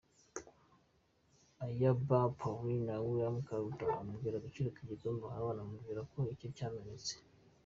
Ayabba Paulin na Willy Karuta amubwira agaciro k'igikombe ahawe, anamubwira ko icye cyamenetse.